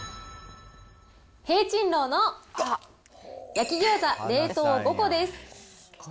聘珍樓の焼餃子冷凍５個です。